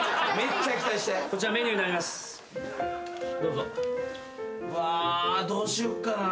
うわどうしよっかな。